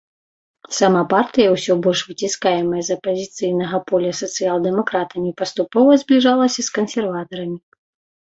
Сама партыя, усё больш выціскаемая з апазіцыйнага поля сацыял-дэмакратамі, паступова збліжалася з кансерватарамі.